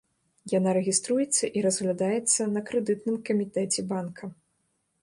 Яна рэгіструецца і разглядаецца на крэдытным камітэце банка.